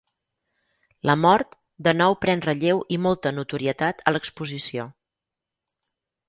La mort de nou pren relleu i molta notorietat a l'exposició.